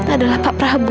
adalah pak prabu